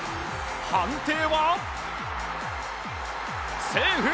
判定は、セーフ！